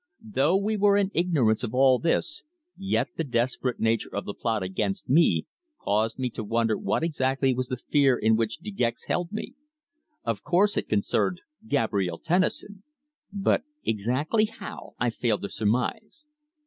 Though we were in ignorance of all this, yet the desperate nature of the plot against me caused me to wonder what exactly was the fear in which De Gex held me. Of course it concerned Gabrielle Tennison. But exactly how, I failed to surmise.